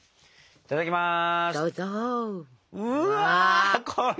いただきます。